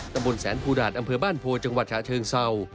ตะบุญแสนพูดาตอำเภอบ้านพัวจังหวัดชาเชิงเซา